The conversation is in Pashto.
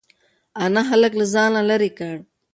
انا هلک له ځانه لرې کړ.